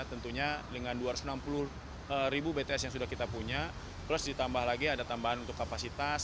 tentunya dengan dua ratus enam puluh ribu bts yang sudah kita punya plus ditambah lagi ada tambahan untuk kapasitas